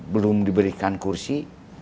belum diberikan kursi